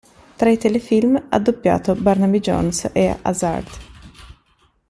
Tra i telefilm ha doppiato "Barnaby Jones" e "Hazzard".